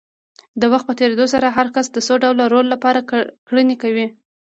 د وخت په تېرېدو سره هر کس د څو ډوله رول لپاره کړنې کوي.